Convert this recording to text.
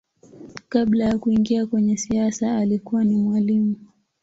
Kabla ya kuingia kwenye siasa alikuwa ni mwalimu.